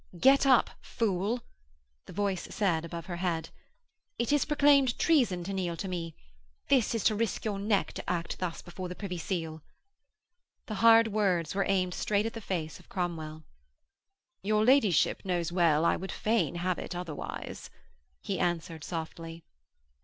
'Get up, fool,' the voice said above her head. 'It is proclaimed treason to kneel to me. This is to risk your neck to act thus before Privy Seal.' The hard words were aimed straight at the face of Cromwell. 'Your ladyship knows well I would fain have it otherwise,' he answered softly.